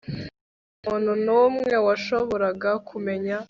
nta muntu n'umwe washoboraga kumenya